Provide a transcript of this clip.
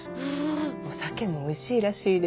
お酒もおいしいらしいで。